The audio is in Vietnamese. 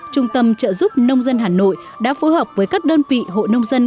trung tâm trợ giúp nông dân hà nội đã phối hợp với các đơn vị hội nông dân